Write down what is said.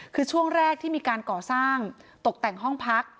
คือช่วงแรกที่มีการก่อสร้างตกแต่งห้องพัก